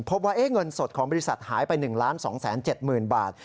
พบว่าเงินสดของบริษัทหายไป๑๒๗๐๐๐บาท